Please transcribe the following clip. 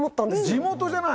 地元じゃない！